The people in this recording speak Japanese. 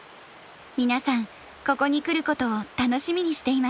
皆さんここに来ることを楽しみにしていました。